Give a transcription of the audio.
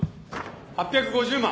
８５０万。